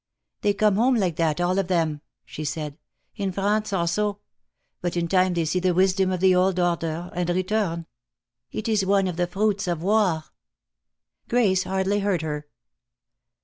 "They come home like that, all of them," she said. "In France also. But in time they see the wisdom of the old order, and return. It is one of the fruits of war." Grace hardly heard her.